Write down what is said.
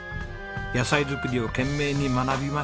野菜作りを懸命に学びました。